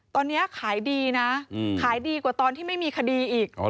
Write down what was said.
ตอนนี้ขายดีนะขายดีกว่าตอนที่ไม่มีคดีอีก